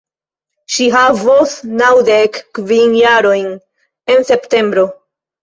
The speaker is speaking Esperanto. Ŝi havos naŭdek kvin jarojn en septembro.